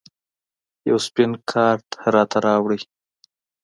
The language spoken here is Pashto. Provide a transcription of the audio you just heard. یو سپین کارت راته راوړئ